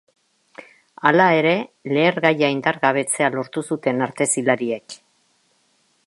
Hala ere, lehergaia indargabetzea lortu zuten artezilariek.